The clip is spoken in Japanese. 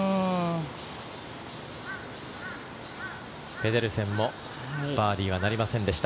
ペデルセンもバーディーはなりませんでした。